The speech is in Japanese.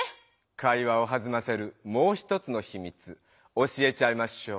⁉会話をはずませるもう一つのひみつ教えちゃいましょう！